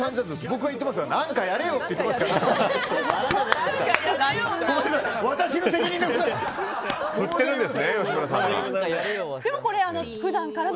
僕が何かやれよって言ってますから。